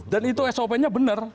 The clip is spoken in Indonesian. dan itu sop nya benar